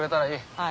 はい。